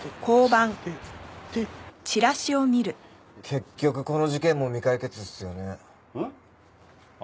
結局この事件も未解決っすよね。